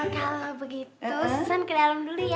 kalau begitu susana ke dalam dulu ya